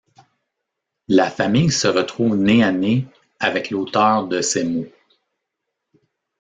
La famille se retrouve nez à nez avec l'auteur de ces mots.